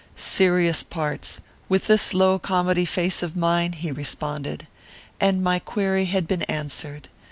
'Serious parts with this low comedy face of mine!' he responded. And my query had been answered.